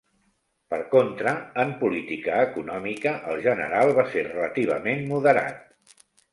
Per contra, en política econòmica, el general va ser relativament moderat.